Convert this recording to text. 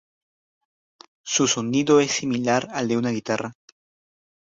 Su sonido es similar al de una guitarra.